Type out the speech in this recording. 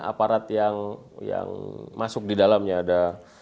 aparat yang masuk didalamnya